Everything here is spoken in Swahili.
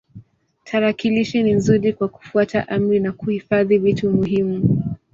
Tarakilishi ni nzuri kwa kufuata amri na kuhifadhi vitu muhimu.